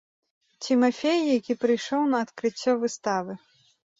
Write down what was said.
Цімафей, які прыйшоў на адкрыццё выставы.